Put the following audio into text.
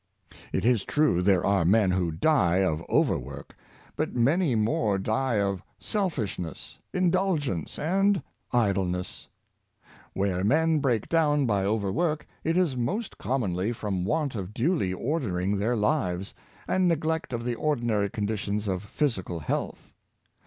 It is true there are men who die of overwork; but many more die of selfishness, indulgence, and idleness. Where men break down by overwork, it is most com monly from want of duly ordering their lives, and neg lect of the ordinary conditions of physical health.